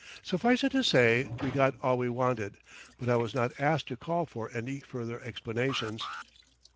Suffice it to say, we got all we wanted, but I was not asked to call for any further explanations.